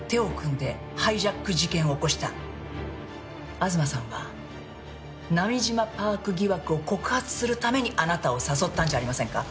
東さんは波島パーク疑惑を告発するためにあなたを誘ったんじゃありませんか？